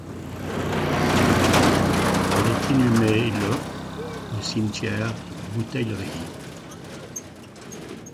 Elle est inhumée le au cimetière La Bouteillerie.